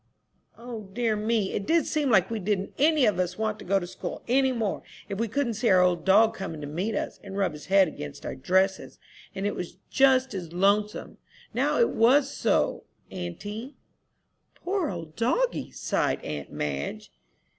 "O dear me, it did seem like we didn't any of us want to go to school any more, if we couldn't see our old dog coming to meet us, and rub his head against our dresses. And it was just as lonesome, now it was so, auntie." "Poor old doggie!" sighed aunt Madge.